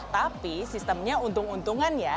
tapi sistemnya untung untungan ya